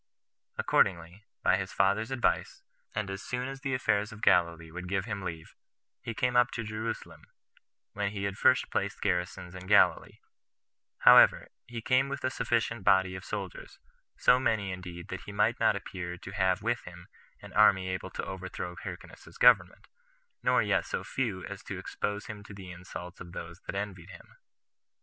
Accordingly, by his father's advice, and as soon as the affairs of Galilee would give him leave, he came up to [Jerusalem], when he had first placed garrisons in Galilee; however, he came with a sufficient body of soldiers, so many indeed that he might not appear to have with him an army able to overthrow Hyrcanus's government, nor yet so few as to expose him to the insults of those that envied him.